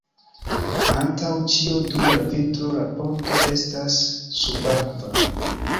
Antaŭ ĉio dum la vintro la ponto estas subakva.